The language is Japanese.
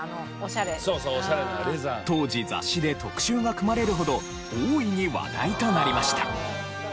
当時雑誌で特集が組まれるほど大いに話題となりました。